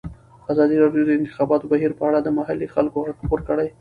ازادي راډیو د د انتخاباتو بهیر په اړه د محلي خلکو غږ خپور کړی.